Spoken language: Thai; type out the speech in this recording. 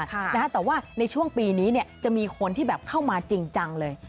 แต่ว่าในช่วงปีนี้เนี่ยจะมีคนที่แบบเข้ามาจริงจังเลย